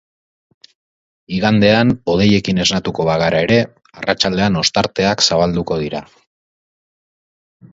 Igandean hodeiekin esnatuko bagara ere, arratsaldean ostarteak zabalduko dira.